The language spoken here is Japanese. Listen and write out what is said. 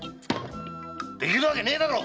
できるわけねぇだろ！